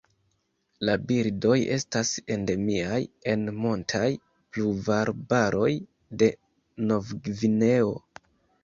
La birdoj estas endemiaj en montaj pluvarbaroj de Novgvineo.